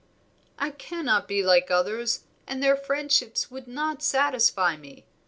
"I cannot be like others, and their friendships would not satisfy me.